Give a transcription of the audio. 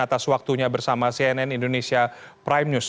atas waktunya bersama cnn indonesia prime news